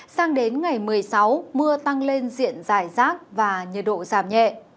sang đến ngày một mươi sáu mưa tăng lên diện dài rác và nhiệt độ giảm nhẹ